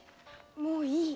もういい。